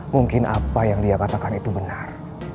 mungkin apa yang dia katakan itu benar